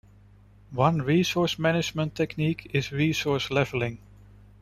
One resource management technique is resource leveling.